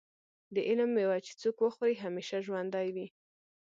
د علم مېوه چې څوک وخوري همیشه ژوندی وي.